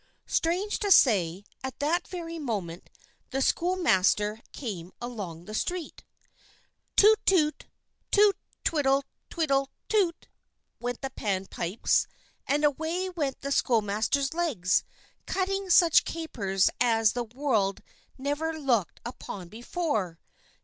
Strange to say, at that very moment the schoolmaster came along the street. "Toot! toot! toot! tweedle, tweedle, toot!" went the pan pipes, and away went the schoolmaster's legs, cutting such capers as the world never looked upon before.